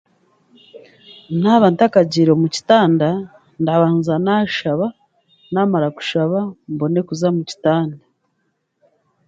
Naaba ntakagiire omu kitanda ndabanza naashaaba naamara kushaba mbone kuza omu kitanda.